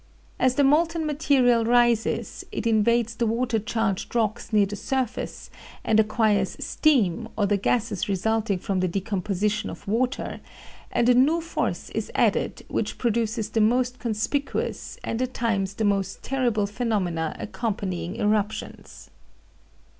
As the molten material rises it invades the water charged rocks near the surface and acquires steam, or the gases resulting from the decomposition of water, and a new force is added which produces the most conspicuous and at times the most terrible phenomena accompanying eruptions."